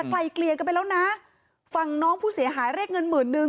แต่ไกลเกลียกันไปแล้วน่ะฟังน้องผู้เสียหายเลขเงินหมื่นหนึ่ง